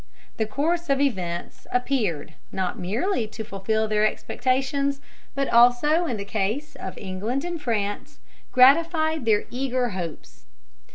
The course of events appeared not merely to fulfil their expectations, but also, in the case of England and France, gratified their eager hopes.